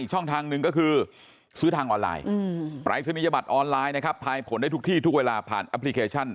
ช่องทางหนึ่งก็คือซื้อทางออนไลน์ปรายศนียบัตรออนไลน์นะครับทายผลได้ทุกที่ทุกเวลาผ่านแอปพลิเคชัน